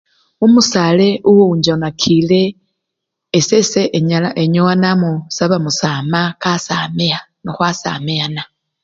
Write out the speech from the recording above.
Omusale owunchonakile, esese enyala! enyowa namusaba musama kasamya no khwasamiyana.